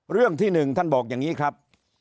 เรื่องที่๑ท่านบอกอย่างนี้ครับ